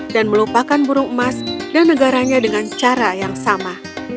dan melupakan burung emas dan negaranya dengan cara yang sama